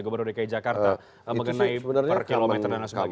gue baru dikaih jakarta mengenai per kilometernya dan sebagainya